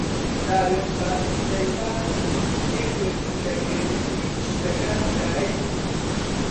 داوێنپاکیی لەیلا یەکێک بوو لە گرنگترین شتەکان کە هەیبوو.